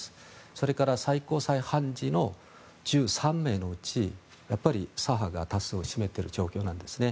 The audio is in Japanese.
それから最高裁判事の１３名のうちやっぱり左派が多数を占めている状況なんですね。